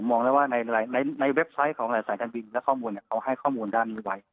มองได้ว่าในเว็บไซต์ของหลายสายการบินและข้อมูลเขาให้ข้อมูลด้านนี้ไว้